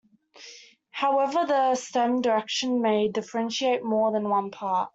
However, the stem direction may differentiate more than one part.